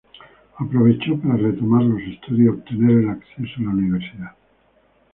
Aprovechó para retomar los estudios y obtener el acceso a la universidad.